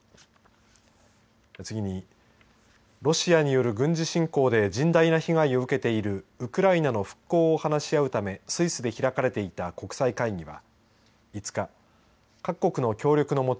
次にロシアによる軍事侵攻で甚大な被害を受けているウクライナの復興を話し合うためスイスで開かれていた国際会議は５日、各国の協力の下